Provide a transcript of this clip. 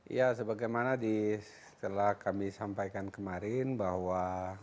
ya sebagaimana setelah kami sampaikan kemarin bahwa